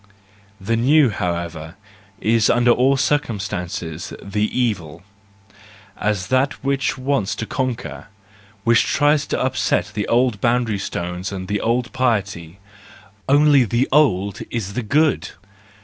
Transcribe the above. The new, however, is under all circum¬ stances the evil , as that which wants to conquer, which tries to upset the old boundary stones and the old piety; only the old is the good!